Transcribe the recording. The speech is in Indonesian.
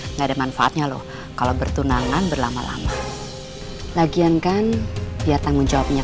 enggak ada manfaatnya loh kalau bertunangan berlama lama lagian kan ya tanggung jawabnya